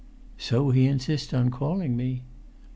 "So he insists on calling me."